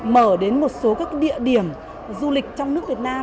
mở đến một số các địa điểm du lịch trong nước việt nam